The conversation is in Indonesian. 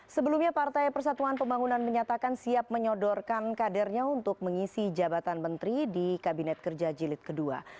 sebelumnya partai persatuan pembangunan menyatakan siap menyodorkan kadernya untuk mengisi jabatan menteri di kabinet kerja jilid ii